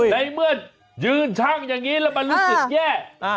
ในเมื่อยืนช่างอย่างนี้แล้วมันรู้สึกแย่